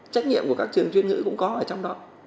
trách nhiệm của các trường chuyên ngữ cũng có ở trong đó